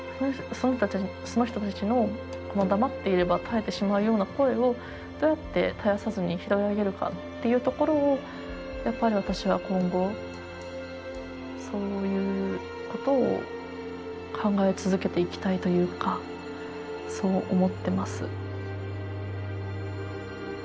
その人たちの黙っていれば絶えてしまうような声をどうやって絶やさずに拾い上げるかっていうところをやっぱり私は今後そういうことを考え続けていきたいというかそう思ってます。